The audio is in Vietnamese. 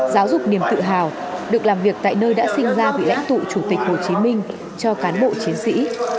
giáo dục niềm tự hào được làm việc tại nơi đã sinh ra vị lãnh tụ chủ tịch hồ chí minh cho cán bộ chiến sĩ